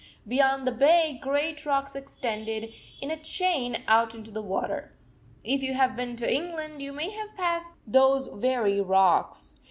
Beyond the bay great rocks extended in a chain out into the water. If you have been to England, you may have passed those very rocks.